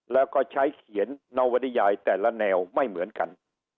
แล้วก็ใช้เขียนนวริยายแต่ละแนวไม่เหมือนกัน